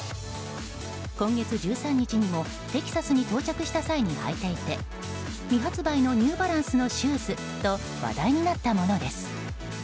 今月１３日にもテキサスに到着した際に履いていて未発売のニューバランスのシューズと話題になったものです。